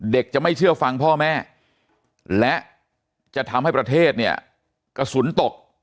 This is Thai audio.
จะไม่เชื่อฟังพ่อแม่และจะทำให้ประเทศเนี่ยกระสุนตก